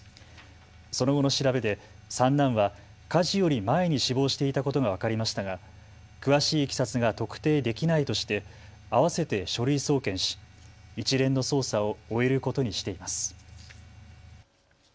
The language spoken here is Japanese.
その後の調べで三男は火事より前に死亡していたことが分かりましたが、詳しいいきさつが特定できないとして合わせて書類送検し一連の捜査を終えることにしています。